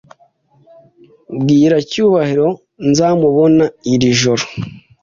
Bwira Cyubahiro nzamubona iri joro.